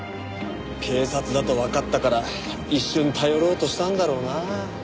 警察だとわかったから一瞬頼ろうとしたんだろうな。